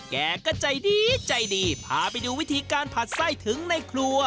แกก็ใจดีใจดีพาไปดูวิธีการผัดไส้ถึงในครัว